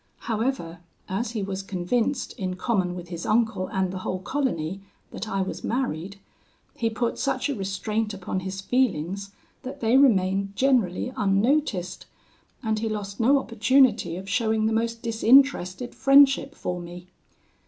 However, as he was convinced in common with his uncle and the whole colony that I was married, he put such a restraint upon his feelings, that they remained generally unnoticed; and he lost no opportunity of showing the most disinterested friendship for me.